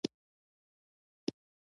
تالابونه د افغانستان د اقلیم ځانګړتیا ده.